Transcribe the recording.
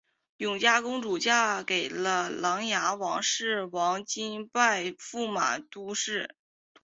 永嘉公主嫁给了琅琊王氏王铨拜驸马都尉。